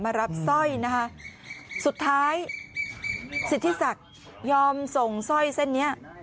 มารับสร้อยนะคะสุดท้ายสิทธิศักดิ์ยอมส่งสร้อยเส้นนี้